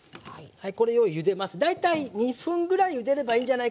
はい。